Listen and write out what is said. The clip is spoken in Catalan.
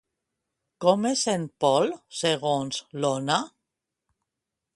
Com és en Pol, segons l'Ona?